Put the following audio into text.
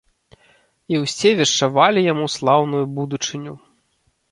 І ўсе вешчавалі яму слаўную будучыню.